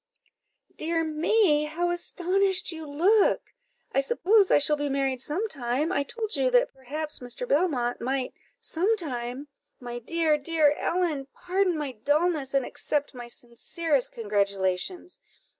"Dear me, how astonished you look! I suppose I shall be married some time. I told you that perhaps Mr. Belmont might, some time " "My dear, dear Ellen, pardon my dulness, and accept my sincerest congratulations.